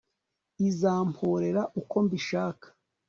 izamporera uko mbishaka